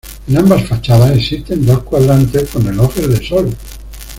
En ambas fachadas existen dos cuadrantes con relojes de sol.